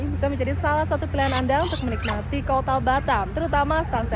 bisa menjadi salah satu pilihan anda untuk menikmati kota batam terutama sunsel